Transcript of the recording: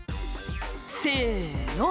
「せの」